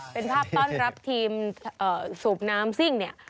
เป็นภาพต้อนรับทีมสูบน้ำซิ่งเนี่ย